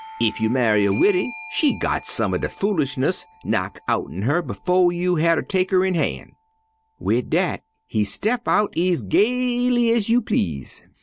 Ef you ma'y a widdy, she got some er de foolishness knock' outen her befo' you hatter tek her in han'.' "Wid dat he step out ez gaily ez you please.